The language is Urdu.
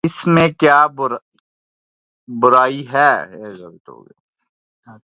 اس میں کیا برائی ہے؟